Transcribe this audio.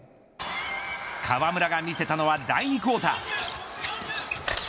河村が見せたのは第２クオーター。